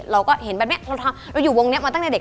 เราก็เห็นแบบนี้เราอยู่วงนี้มาตั้งแต่เด็ก